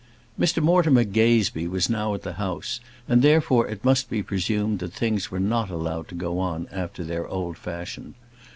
Mr Mortimer Gazebee was now at the house, and therefore, it must be presumed, that things were not allowed to go on after their old fashion.